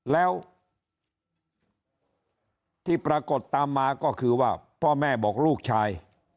แล้วที่ปรากฏตามมาก็คือว่าพ่อแม่บอกลูกชาย